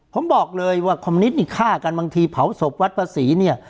ผมบอกเลยว่าความนิดนิฆ่ากันบางทีเผาศพวัฒนภาษี